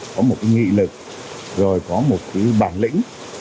có một cái nghị lực rồi có một cái bản lĩnh